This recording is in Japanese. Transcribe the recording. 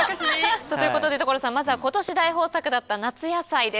ということで所さんまずは今年大豊作だった夏野菜です。